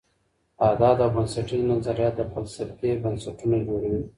اعداد او بنسټیز نظریات د فلسفې بنسټونه جوړوي.